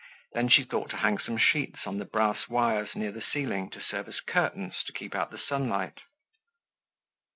Then she thought to hang some sheets on the brass wires near the ceiling to serve as curtains to keep out the sunlight.